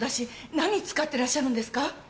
何使ってらっしゃるんですか？